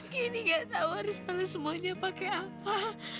kendi gak tau harus paham semuanya pakai apa